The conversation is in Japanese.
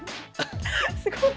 すごい。